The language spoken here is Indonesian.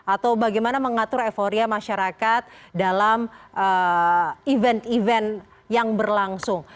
atau bagaimana mengatur euforia masyarakat dalam event event yang berlangsung